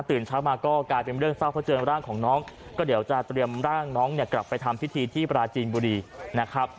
เช้ามาก็กลายเป็นเรื่องเศร้าเพราะเจอร่างของน้องก็เดี๋ยวจะเตรียมร่างน้องเนี่ยกลับไปทำพิธีที่ปราจีนบุรีนะครับ